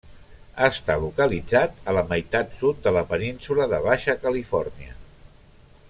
Està localitzat a la meitat sud de la península de Baixa Califòrnia.